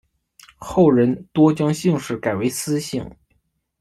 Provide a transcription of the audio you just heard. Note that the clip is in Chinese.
后人多将姓氏改为司姓。